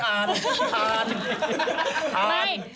อย่างไร